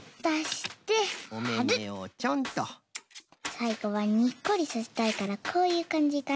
さいごはにっこりさせたいからこういうかんじかな。